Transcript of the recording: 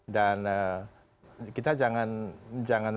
dan kita jangan